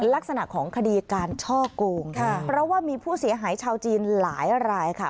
ลักษณะของคดีการช่อโกงค่ะเพราะว่ามีผู้เสียหายชาวจีนหลายรายค่ะ